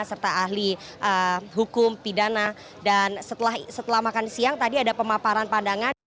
serta ahli hukum pidana dan setelah makan siang tadi ada pemaparan pandangan